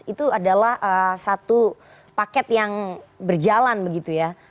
itu adalah satu paket yang berjalan begitu ya